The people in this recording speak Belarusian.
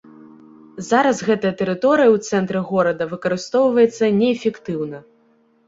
Зараз гэтая тэрыторыя ў цэнтры горада выкарыстоўваецца неэфектыўна.